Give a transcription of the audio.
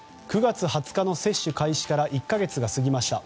９月２０日の接種開始から１か月が過ぎました。